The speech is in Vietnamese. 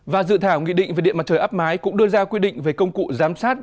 và dự thảo nghị định về điện mặt trời áp mái cũng đưa ra quy định về công cụ giám sát